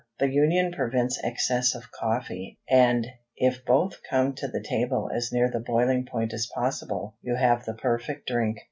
The union prevents excess of coffee, and, if both come to the table as near the boiling point as possible, you have the perfect drink.